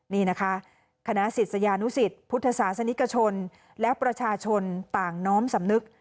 นี่นะคะคณะศิษยานุสิตพุทธศาสนิกชนและประชาชนต่างน้อมสำนึก